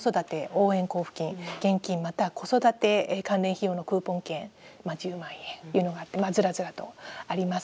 現金または子育て関連費用のクーポン券１０万円というのがあってずらずらとあります。